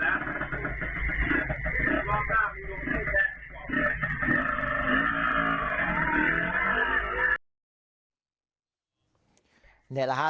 ทีนี้แหละครับ